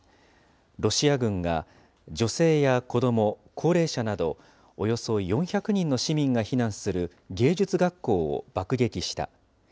ロシア軍が女性や子ども、高齢者などおよそ４００人の市民が避難する芸術学校を爆撃した。